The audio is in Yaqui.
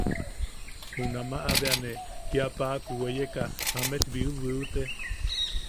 Junamaʼa bea ne kia paʼaku weyeka amet biubiute.